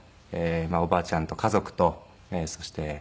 おばあちゃんと家族とそして色んな方々